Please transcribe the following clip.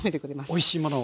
おいしいものを？